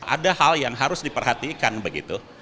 ada hal yang harus diperhatikan begitu